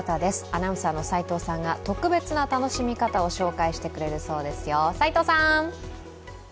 アナウンサーの齋藤さんが特別な楽しみ方を紹介してくれるそうですよ。